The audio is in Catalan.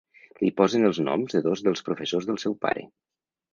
Li posen els noms de dos dels professors del seu pare.